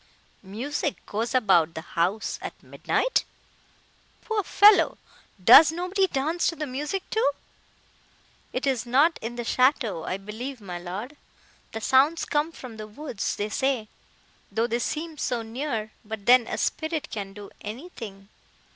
"Music goes about the house at midnight! Poor fellow!—does nobody dance to the music, too?" "It is not in the château, I believe, my Lord; the sounds come from the woods, they say, though they seem so near;—but then a spirit can do anything!"